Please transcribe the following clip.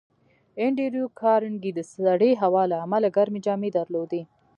انډریو کارنګي د سړې هوا له امله ګرمې جامې درلودې